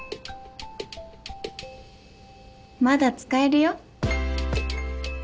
まだ使えるよ。